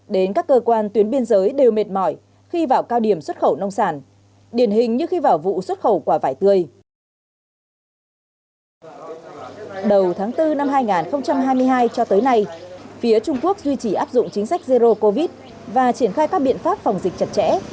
đầu tháng bốn năm hai nghìn hai mươi hai cho tới nay phía trung quốc duy trì áp dụng chính sách zero covid và triển khai các biện pháp phòng dịch chặt chẽ